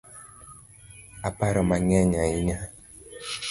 Aparo mang’eny ahinya